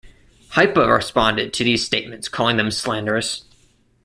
Hipa responded to these statements calling them slanderous.